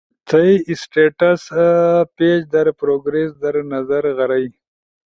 تھئی اسٹیٹس پیج در پروگریس در نظر غرئی۔